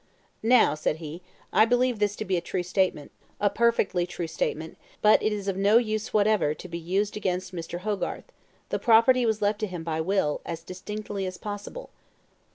"Now," said he, "I believe this to be a true statement a perfectly true statement but it is of no use whatever to be used against Mr. Hogarth. The property was left to him by will, as distinctly as possible."